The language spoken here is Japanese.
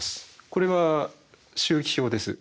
これは周期表です。